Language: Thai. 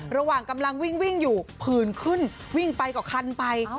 ระหว่างกำลังวิ่งอยู่ผื่นขึ้นวิ่งไปกว่าคันไป